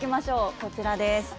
こちらです。